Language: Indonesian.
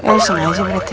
oh sengaja berarti